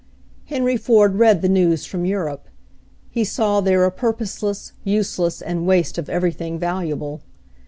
Henry Ford read the news from Europe. He saw there a purposeless, useless and waste of everything valuable.